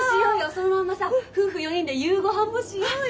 そのまんまさ夫婦４人で夕ごはんもしようよ。